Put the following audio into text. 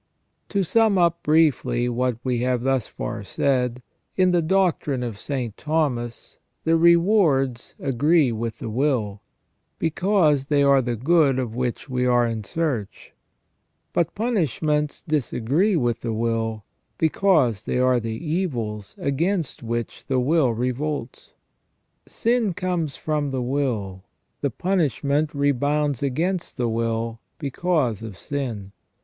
To sum up briefly what we have thus far said, in the doctrine of St. Thomas, the rewards agree with the will j because they are the good of which we are in search; but punishments disagree with the will, because they are the evils against which the will revolts. Sin comes from the will; the punishment rebounds against the will, because of sin.